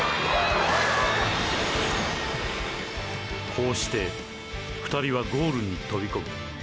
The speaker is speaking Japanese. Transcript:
こうして２人はゴールにとびこむ。